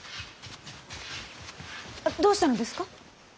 どうしたのですか？